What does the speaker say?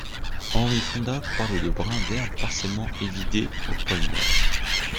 Henry Fonda parle de brins d'herbe partiellement évidés au pôle nord.